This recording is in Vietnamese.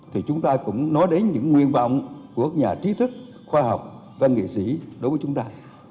thì chúng ta cũng nói đến những nguyên vọng của nhà trí thức khoa học văn nghệ sĩ đối với chúng ta